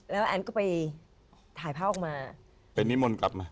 แล้วแอนก็ไปถ่ายภาพออกมาเป็นนิมนต์กลับมา